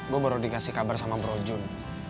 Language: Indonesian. gue baru dikasih kabar sama bro jun